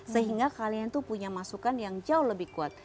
sehingga kalian tuh punya masukan yang jauh lebih kuat